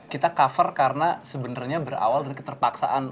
kita cover karena sebenarnya berawal dari keterpaksaan